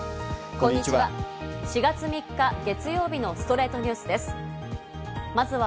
こんにちは。